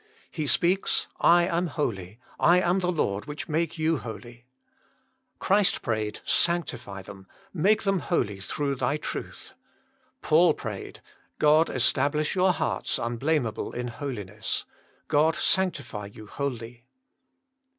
He speaks : I am holy: I am the Lord which make you holy. Christ prayed : Sanctify them. Make them holy through Thy Truth. Paul prayed: "God establish your hearts unblamable in holi ness." " God sanctify you wholly